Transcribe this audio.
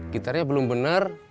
gitarnya belum benar